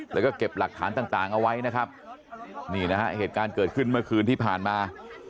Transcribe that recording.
แล้วก็เก็บหลักฐานต่างเอาไว้นะครับนี่นะฮะเหตุการณ์เกิดขึ้นเมื่อคืนที่ผ่านมา